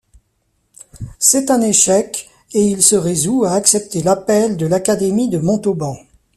C'est un échec, et il se résout à accepter l'appel de l'Académie de Montauban.